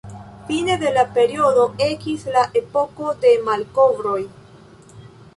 Fine de la periodo, ekis la Epoko de Malkovroj.